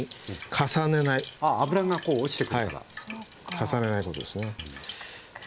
重ねないことですね。